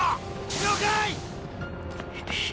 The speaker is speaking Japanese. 了解！！